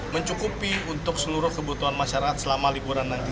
mencukupi untuk seluruh kebutuhan masyarakat selama liburan nanti